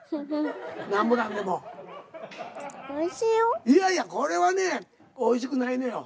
いやいやこれはねおいしくないのよ。